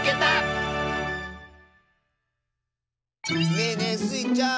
ねえねえスイちゃん